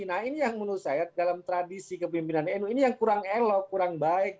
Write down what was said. nah ini yang menurut saya dalam tradisi kepemimpinan nu ini yang kurang elok kurang baik